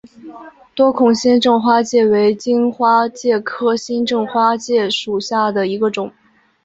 多孔新正花介为荆花介科新正花介属下的一个种。